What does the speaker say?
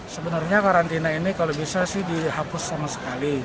sebenarnya karantina ini kalau bisa sih dihapus sama sekali